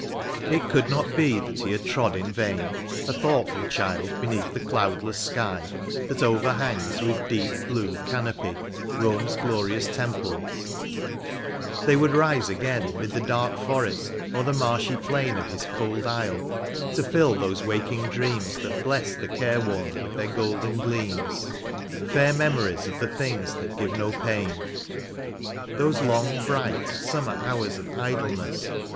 It could not be that he had trod in vain, A thoughtfdl child, beneath the cloudless sky, That overhangs with deep blue canopy, Bome's glorious temples ; they would rise again 'Mid the dark forest, or the marshy plain Of his cold isle, to fill those waking dreams That bless the caxe wom with their golden gleams ; Fair memories of the things that give no pain. Those long, bright, summer hours of idleness.